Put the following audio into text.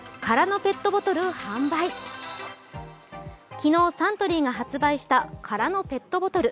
昨日、サントリーが発売した空のペットボトル。